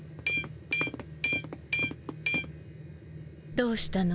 どうしたの？